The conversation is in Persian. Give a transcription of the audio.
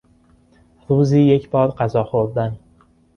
روزی یک بار غذا خوردن